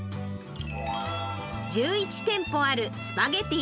１１店舗あるスパゲティ